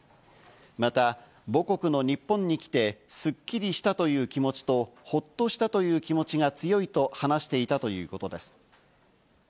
また、母国の日本に来て、すっきりしたという気持ちと、ほっとしたという気持ちが強いと話していたということです。